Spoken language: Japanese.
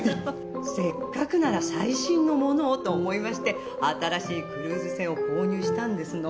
せっかくなら最新のものをと思いまして新しいクルーズ船を購入したんですの。